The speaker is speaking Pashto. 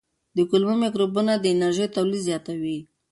د کولمو مایکروبونه د انرژۍ تولید زیاتوي.